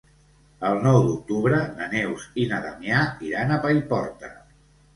El nou d'octubre na Neus i na Damià iran a Paiporta.